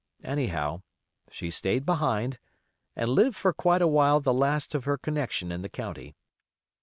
Anyhow, she stayed behind, and lived for quite awhile the last of her connection in the county.